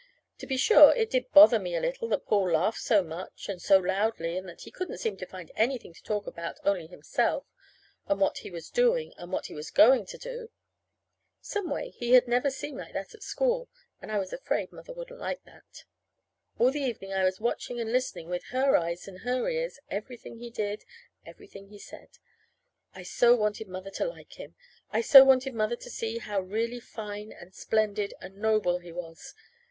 To be sure, it did bother me a little that Paul laughed so much, and so loudly, and that he couldn't seem to find anything to talk about only himself, and what he was doing, and what he was going to do. Some way, he had never seemed like that at school. And I was afraid Mother wouldn't like that. All the evening I was watching and listening with her eyes and her ears everything he did, everything he said. I so wanted Mother to like him! I so wanted Mother to see how really fine and splendid and noble he was.